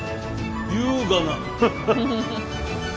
優雅な！